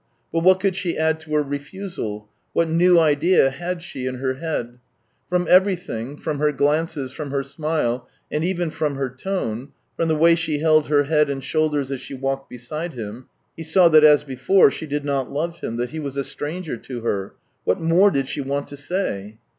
But what could she add to her refusal ? What new idea had she in her head ? From everything, from her glances, from her smile, and even from her tone, from the way she held her head and shoulders as she w alked beside him, he saw that, as before, she did not love him, that he was a stranger to her. What more did she want to say